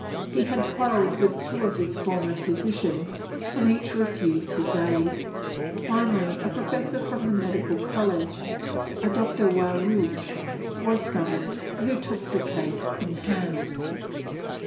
He had quarrelled with two of his former physicians and each refused his aid. Finally, a professor from the medical college, a Dr. Wawruch, was summoned, who took the case in hand.